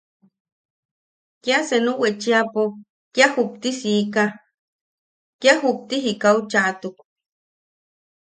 Kia senu wechiapo kia juptisiika, kia jupti jikau chaʼatuk.